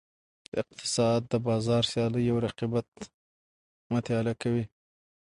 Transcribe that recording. اقتصاد د بازار سیالۍ او رقیبت مطالعه کوي.